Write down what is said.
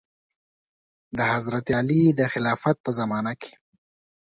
د حضرت علي د خلافت په زمانه کې.